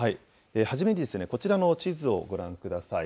初めに、こちらの地図をご覧ください。